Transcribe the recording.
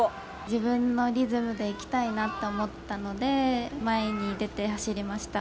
自分のリズムでいきたいなと思ったので、前に出て走りました。